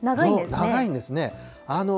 そう、長いんですね。